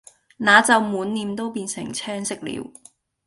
那就滿臉都變成青色了。